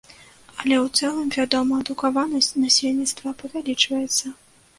Але ў цэлым, вядома, адукаванасць насельніцтва павялічваецца.